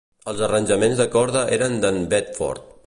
Els arranjaments de corda eren d'en Bedford.